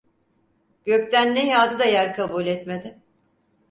Gökten ne yağdı da yer kabul etmedi.